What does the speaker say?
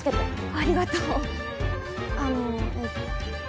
ありがとうあのえっと。